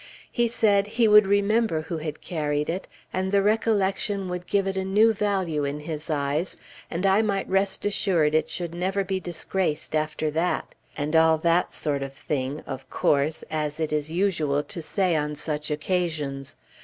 He said "he would remember who had carried it, and the recollection would give it a new value in his eyes, and I might rest assured it should never be disgraced after that," and all that sort of thing, of course, as it is usual to say it on such occasions.